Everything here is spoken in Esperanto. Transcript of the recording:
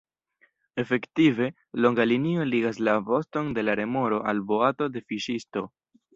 Efektive, longa linio ligas la voston de la remoro al boato de fiŝisto.